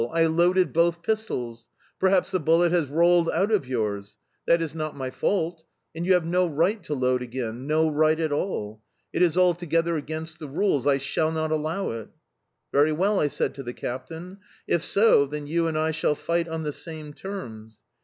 I loaded both pistols. Perhaps the bullet has rolled out of yours... That is not my fault! And you have no right to load again... No right at all. It is altogether against the rules, I shall not allow it"... "Very well!" I said to the captain. "If so, then you and I shall fight on the same terms"...